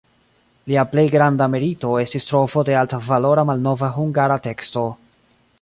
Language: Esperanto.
Lia plej granda merito estis trovo de altvalora malnova hungara teksto.